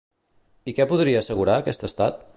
I què podria assegurar aquest estat?